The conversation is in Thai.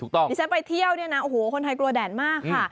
ดิฉันไปเที่ยวเนี่ยนะโอ้โหคนไทยกลัวแดดมากค่ะ